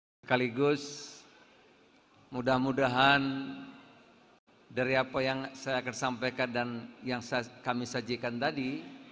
sekaligus mudah mudahan dari apa yang saya akan sampaikan dan yang kami sajikan tadi